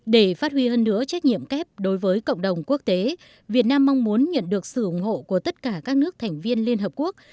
để phát huy hơn nữa trách nhiệm kép đối với cộng đồng quốc tế việt nam mong muốn nhận được sự ủng hộ của tất cả các nước thành viên liên hợp quốc